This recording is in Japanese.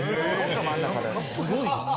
すごいな。